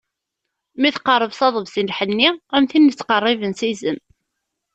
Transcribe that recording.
Mi tqerreb s aḍebsi n lḥenni am tin yettqerriben s izem.